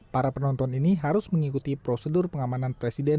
para penonton ini harus mengikuti prosedur pengamanan presiden